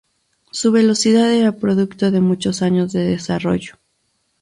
Su velocidad era producto de muchos años de desarrollo.